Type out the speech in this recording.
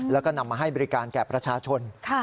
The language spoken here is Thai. แล้วก็นำมาให้บริการแก่ประชาชน